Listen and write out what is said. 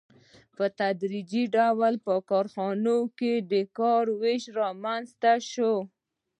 په تدریجي ډول په کارخانو کې د کار وېش رامنځته شو